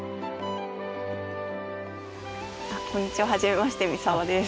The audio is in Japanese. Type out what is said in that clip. こんにちははじめまして三澤です。